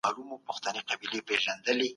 خپل ځان ته د کفر نسبت کول کفر دی